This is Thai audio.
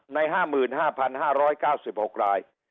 ใน๕๕๙๖ราย